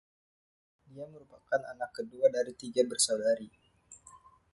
Dia merupakan anak kedua dari tiga bersaudari.